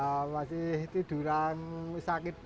ya masih tiduran sakit